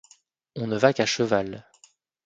On ne va qu'à cheval.